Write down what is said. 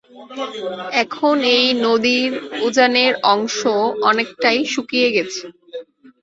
এখন এই নদীর উজানের অংশ অনেকটাই শুকিয়ে গেছে।